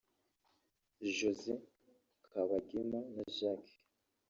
Josée Kabagema na Jacques